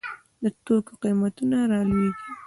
د توکو قیمتونه رالویږي.